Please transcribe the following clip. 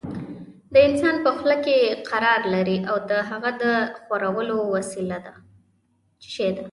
د انسان په خوله کې قرار لري او د هغه د ښورولو وسیله ده.